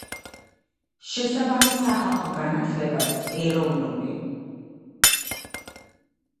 შესაბამის სახალხო განათლებას, ეროვნული